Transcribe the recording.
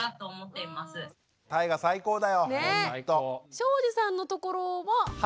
庄司さんのところは？